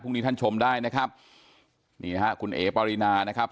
พรุ่งนี้ท่านชมได้นะครับนี่ค่ะคุณเอ๋ปริณานะครับ